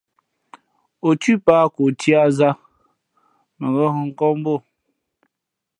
Ǒ thʉ̌ pǎh ko tiā zā, mα ngα̌ hᾱ nkᾱᾱ mbu ô.